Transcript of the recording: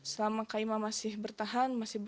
selama kaima masih bertahan